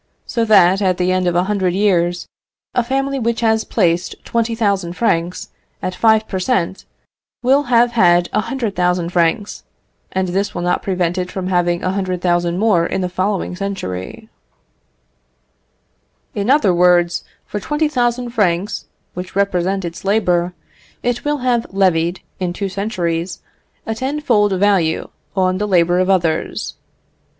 So that, at the end of a hundred years, a family which has placed 20,000 francs, at five per cent., will have had 100,000 francs; and this will not prevent it from having 100,000 more, in the following century. In other words, for 20,000 francs, which represent its labour, it will have levied, in two centuries, a tenfold value on the labour of others.